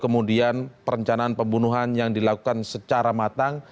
kemudian perencanaan pembunuhan yang dilakukan secara matang